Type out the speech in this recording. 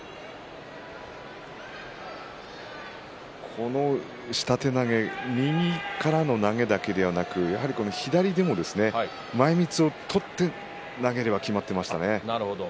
この下手投げ右からの投げだけではなく左でも前みつを取って投げれば、きまっていましたね。